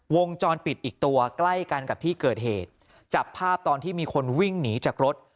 วงจรปิดอีกตัวใกล้กันกับที่เกิดเหตุจับภาพตอนที่มีคนวิ่งหนีจากรถ